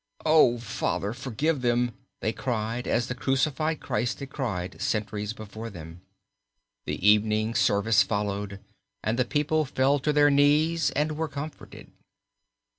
"O Father, forgive them," they cried, as the crucified Christ had cried centuries before them. The evening service followed and the people fell on their knees and were comforted.